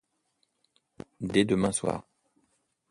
Dès demain soir...